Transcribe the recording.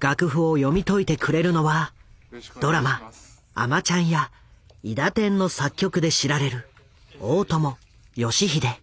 楽譜を読み解いてくれるのはドラマ「あまちゃん」や「いだてん」の作曲で知られる大友良英。